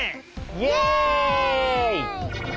イエイ！